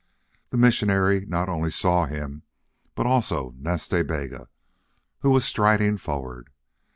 The missionary not only saw him, but also Nas Ta Bega, who was striding forward.